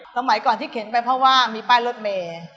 สมัยก่อนที่เข็นไปเพราะว่ามีป้ายรถเมย์